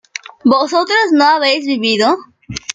vosotros no habéis vivido